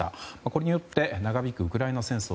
これによって長引くウクライナ戦争